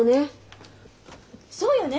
そうよね